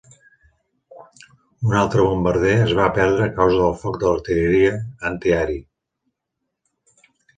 Un altre bombarder es va perdre a causa del foc d'artilleria antiaeri.